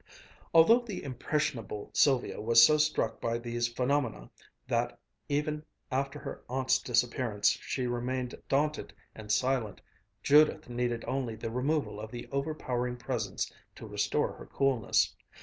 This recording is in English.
Although the impressionable Sylvia was so struck by these phenomena, that, even after her aunt's disappearance, she remained daunted and silent, Judith needed only the removal of the overpowering presence to restore her coolness.